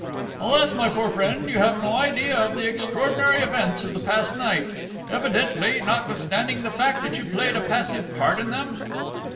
"Alas, my poor friend, you have no idea of the extraordinary events of the past night; evidently, notwithstanding the fact that you played a passive part in them!"